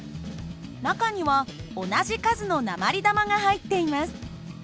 中には同じ数の鉛玉が入っています。